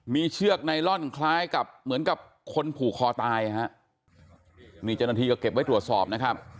มีเชือกไนลอนคล้ายกับเหมือนกับคนผูกคอตายฮะนี่เจ้าหน้าที่ก็เก็บไว้ตรวจสอบนะครับ